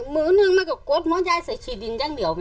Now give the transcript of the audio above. มึงนึงมันกดยายใส่ชีดินทางเดียวไหม